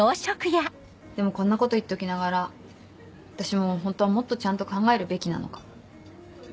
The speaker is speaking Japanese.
でもこんなこと言っときながら私もホントはもっとちゃんと考えるべきなのかも。